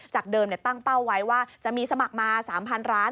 เดิมตั้งเป้าไว้ว่าจะมีสมัครมา๓๐๐ร้าน